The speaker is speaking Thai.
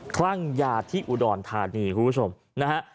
คลั่งยาที่อุดรธานีคุณผู้ชมนะฮะ